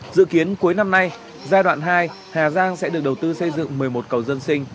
dự kiến cuối năm nay giai đoạn hai hà giang sẽ được đầu tư xây dựng một mươi một cầu dân sinh